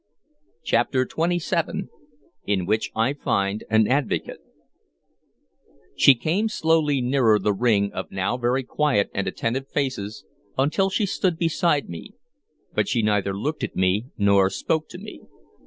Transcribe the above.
CHAPTER XXVII IN WHICH I FIND AN ADVOCATE SHE came slowly nearer the ring of now very quiet and attentive faces until she stood beside me, but she neither looked at me nor spoke to me.